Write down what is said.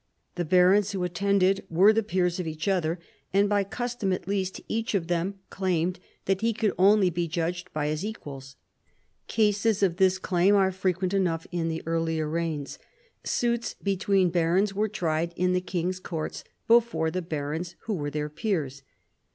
The barons who attended were the peers of each other, and by custom at least each of them claimed that he could only be judged by his equals. Cases of this claim are frequent enough in the earlier reigns. Suits between barons were tried in the king's courts before the barons who were their peers.